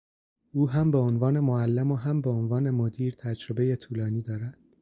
او هم به عنوان معلم و هم به عنوان مدیر تجربهی طولانی دارد.